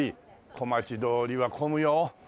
小町通りは混むよ。